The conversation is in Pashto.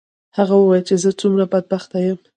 هغه وویل چې زه څومره بدبخته یم.